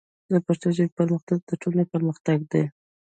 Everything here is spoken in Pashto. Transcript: د پښتو ژبې پرمختګ د ټولنې پرمختګ دی.